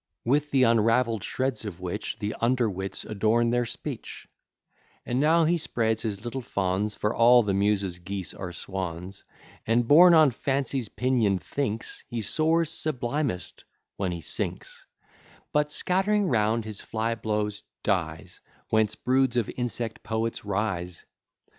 With the unravell'd shreds of which The under wits adorn their speech: And now he spreads his little fans, (For all the Muses Geese are Swans) And borne on Fancy's pinions, thinks He soars sublimest when he sinks: But scatt'ring round his fly blows, dies; Whence broods of insect poets rise.